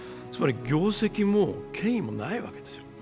業績も権威もないわけです。